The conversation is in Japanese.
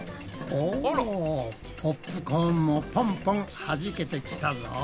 おポップコーンもポンポンはじけてきたぞ。